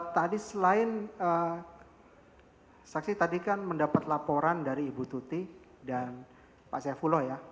tadi selain saksi tadi kan mendapat laporan dari ibu tuti dan pak saifullah ya